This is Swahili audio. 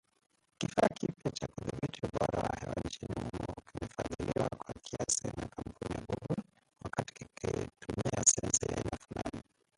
Kifaa kipya cha kudhibiti ubora wa hewa nchini humo kimefadhiliwa kwa kiasi na kampuni ya Google, wakati kikitumia sensa ya aina fulani